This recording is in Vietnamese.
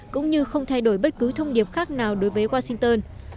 cũng như không thay đổi bất cứ thông điệp khác nào đối với washington